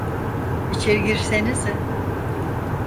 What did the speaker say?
İçeri girsenize.